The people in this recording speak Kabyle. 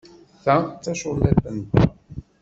Ta d taculliḍt-nteɣ.